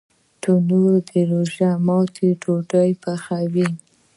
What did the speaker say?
تنور د روژه ماتي ډوډۍ پخوي